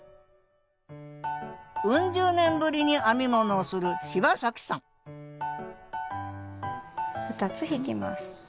ウン十年ぶりに編み物をする芝さん２つ引きます。